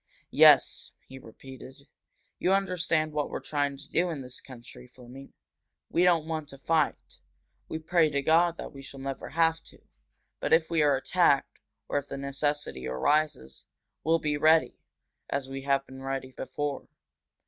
"Yes," he repeated. "You understand what we're trying to do in this country, Fleming. We don't want to fight we pray to God that we shall never have to. But, if we are attacked, or if the necessity arises, we'll be ready, as we have been ready before.